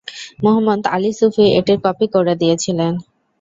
মুহাম্মদ আলী সূফী এটির কপি করে দিয়েছিলেন।